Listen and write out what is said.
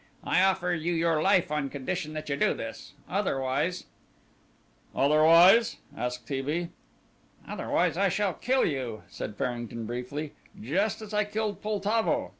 I offer you your life on condition that you do this, otherwise " "Otherwise?" asked T. B. "Otherwise I shall kill you," said Farrington briefly, "just as I killed Poltavo.